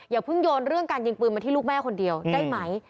อย่าเพิ่งโยนเรื่องการยิงปืนมาที่ลูกแม่คนเดียวได้ไหม